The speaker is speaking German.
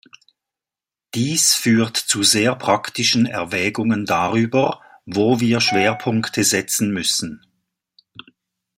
Dies führt zu sehr praktischen Erwägungen darüber, wo wir Schwerpunkte setzen müssen.